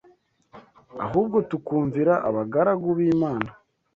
ahubwo tukumvira abagaragu b’Imana